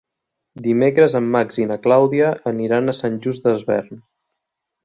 Dimecres en Max i na Clàudia aniran a Sant Just Desvern.